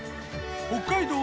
北海道